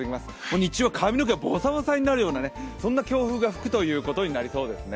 日中は髪の毛がぼさぼさになるような強風が吹くということになりそうですね。